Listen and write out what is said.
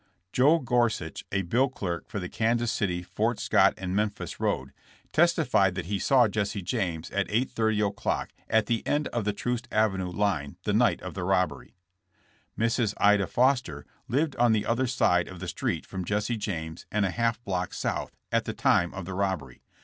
Joe Gorsuch, a bill clerk for the Kansas City, Fort Scott & Memphis road, testified that he saw Jesse James at 8:30 o'clock at the end of the Troost avenuf line the night of the robbery. Mrs. Ida Foster lived on the other sid* of the street from Jesse James and a half block south, at the time of the robbery.